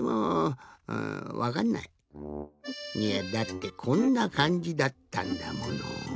いやだってこんなかんじだったんだもの。